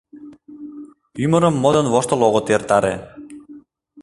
Ӱмырым модын-воштыл огыт эртаре.